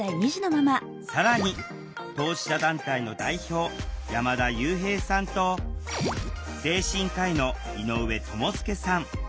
更に当事者団体の代表山田悠平さんと精神科医の井上智介さん。